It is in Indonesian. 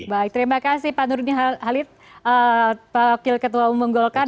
baik terima kasih pak nurdin halid pak wakil ketua umum golkar